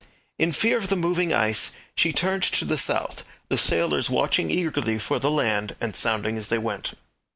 In fear of the moving ice, she turned to the south, the sailors watching eagerly for the land, and sounding as they went.